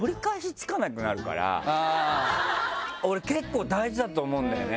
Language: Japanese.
俺結構大事だと思うんだよね。